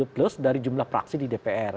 lima puluh plus dari jumlah praksi di dpr